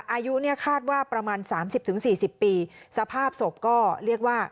อายุเนี่ยคาดว่าประมาณสามสิบถึงสี่สิบปีสภาพศพก็เรียกว่า